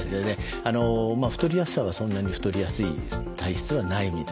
太りやすさはそんなに太りやすい体質はないみたいです。